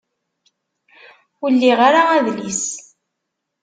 Ur liɣ ara adlis-a.